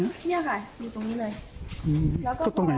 นี่ค่ะอยู่ตรงนี้เลย